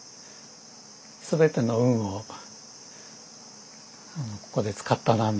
全ての運をここで使ったなみたいな。